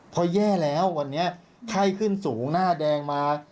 พอแย่แล้ววันนี้ไข้ขึ้นสูงหน้าแดงมา